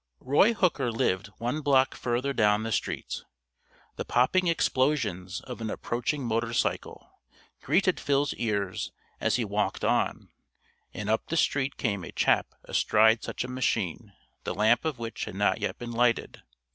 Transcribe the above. Roy Hooker lived one block further down the street. The popping explosions of an approaching motorcycle greeted Phil's ears as he walked on, and up the street came a chap astride such a machine, the lamp of which had not yet been lighted.